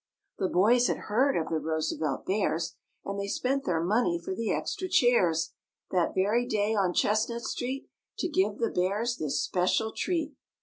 The boys had heard of the Roosevelt Bears And they spent their money for the extra chairs That very day on Chestnut Street To give the Bears this special treat.